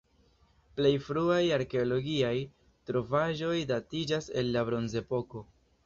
Plej fruaj arkeologiaj trovaĵoj datiĝas el la bronzepoko.